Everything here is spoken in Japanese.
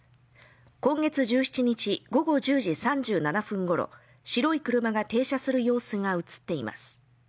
今月１７日午後１０時３７分ごろ白い車が停車する様子が映っています